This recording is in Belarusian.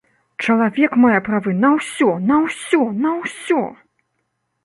Чалавек мае права на усё, на усё, на ўсё!